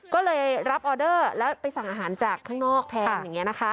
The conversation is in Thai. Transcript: ก็เลยรับออเดอร์แล้วไปสั่งอาหารจากข้างนอกทาง